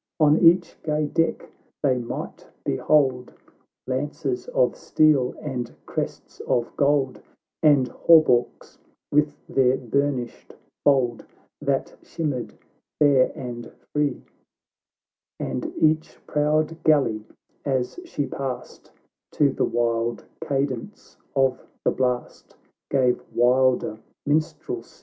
On each gay deck they might behold Lances of steel and crests of gold, And hauberks with their burnished fold, That shimmered fair and free ; And each proud galley, as she passed, To the wild cadence of the blast Gave wilder minstrelsy.